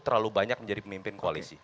terlalu banyak menjadi pemimpin koalisi